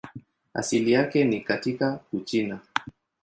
Asili yake ni katika Uchina.